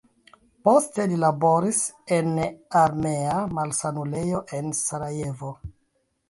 Poste li laboris en armea malsanulejo en Sarajevo.